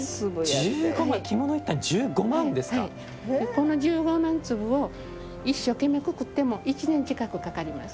この１５万粒を一生懸命くくっても１年近くかかります。